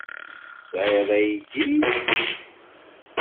Tesɛiḍ aydi?